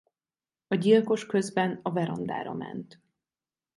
A gyilkos közben a verandára ment.